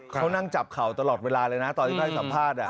เขานั่งจับเข่าตลอดเวลาเลยนะตอนที่ได้สัมภาษณ์